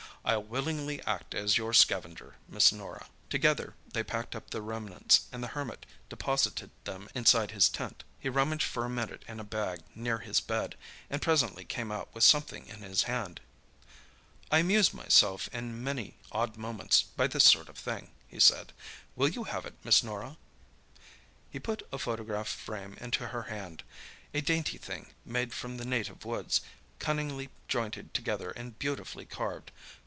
I'll willingly act as your scavenger, Miss Norah." Together they packed up the remnants, and the Hermit deposited them inside his tent. He rummaged for a minute in a bag near his bed, and presently came out with something in his hand. "I amuse myself in my many odd moments by this sort of thing," he said. "Will you have it, Miss Norah?" He put a photograph frame into her hand—a dainty thing, made from the native woods, cunningly jointed together and beautifully carved.